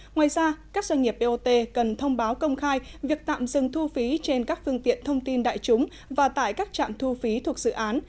ngoài ra các doanh nghiệp bot cần thông báo công khai việc tạm dừng thu phí trên các phương tiện thông tin đại chúng và tại các trạm thu phí thuộc dự án